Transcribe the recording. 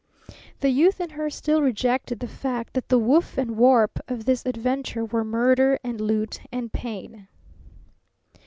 The youth in her still rejected the fact that the woof and warp of this adventure were murder and loot and pain.